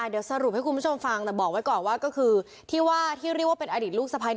เดี๋ยวสรุปให้คุณผู้ชมฟังนะบอกไว้ก่อนที่เรียกว่าเป็นอดิตลูกสะพาย